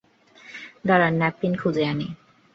দাঁড়ান ন্যাপকিন খুঁজে আনি।